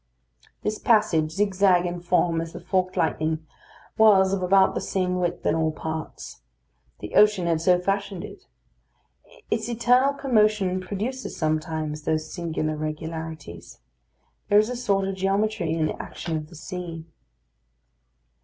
This passage, zigzag in form as the forked lightning, was of about the same width in all parts. The ocean had so fashioned it. Its eternal commotion produces sometimes those singular regularities. There is a sort of geometry in the action of the sea.